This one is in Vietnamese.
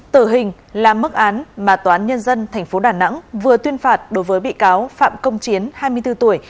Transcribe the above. tử hình là mức án mà tòa án nhân dân tp đà nẵng vừa tuyên phạt đối với bị cáo phạm công chiến hai mươi bốn tuổi